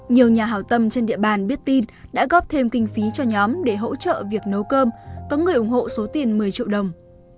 nhiều nhà hảo tâm trên địa bàn biết tin đã góp thêm kinh phí cho nhóm để hỗ trợ việc nấu cơm có người ủng hộ số tiền một mươi triệu đồng